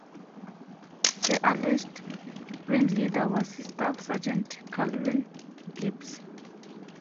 The alleged ringleader was Staff Sergeant Calvin Gibbs.